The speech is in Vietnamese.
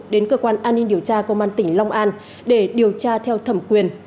đến cơ quan an ninh điều tra công an tỉnh long an để điều tra theo thẩm quyền